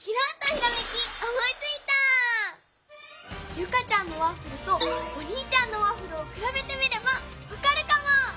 ユカちゃんのワッフルとおにいちゃんのワッフルをくらべてみればわかるかも！